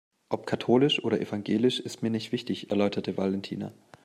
Ob katholisch oder evangelisch ist mir nicht wichtig, erläuterte Valentina.